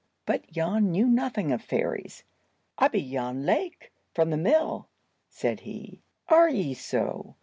But Jan knew nothing of fairies. "I be Jan Lake, from the mill," said he. "Are ye so?